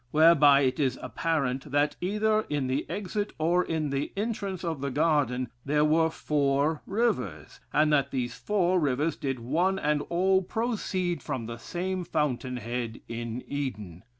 whereby it is apparent that either in the exit or in the entrance of the garden there were four rivers, and that these four rivers did one and all proceed from the same fountain head in Eden.